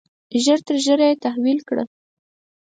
ژر تر ژره یې تحویل کړه.